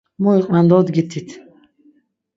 Mu iqven dodgitit!